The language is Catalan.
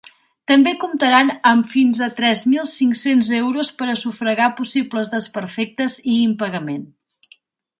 També comptaran amb fins a tres mil cinc-cents euros per a sufragar possibles desperfectes i impagament.